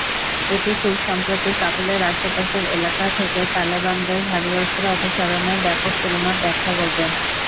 এটি খুব সম্প্রতি কাবুলের আশেপাশের এলাকা থেকে তালেবানদের ভারী অস্ত্র অপসারণের ব্যাপক পরিমাপ ব্যাখ্যা করবে।